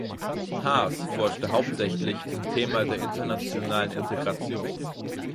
Haas forschte hauptsächlich zum Thema der Internationalen Integration.